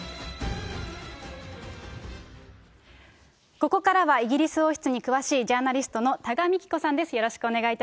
ここからは、イギリス王室に詳しいジャーナリストの多賀幹子さんです。